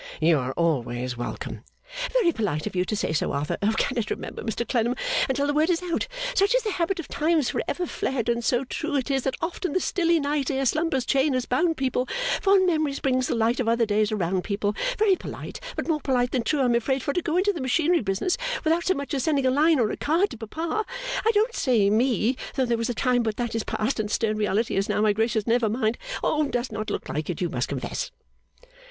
'You are always welcome.' 'Very polite of you to say so Arthur cannot remember Mr Clennam until the word is out, such is the habit of times for ever fled, and so true it is that oft in the stilly night ere slumber's chain has bound people, fond memory brings the light of other days around people very polite but more polite than true I am afraid, for to go into the machinery business without so much as sending a line or a card to papa I don't say me though there was a time but that is past and stern reality has now my gracious never mind does not look like it you must confess.